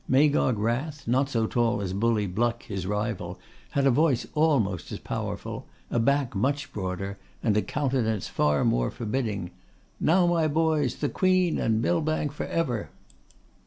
Magog Wrath, not so tall as Bully Bluck, his rival, had a voice almost as powerful, a back much broader, and a countenance far more forbidding. 'Now, my boys, the Queen and Millbank for ever!